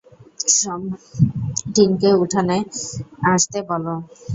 সব টিমকে উঠোনে আসতে বলো।